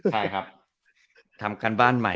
ใช่ครับทำการบ้านใหม่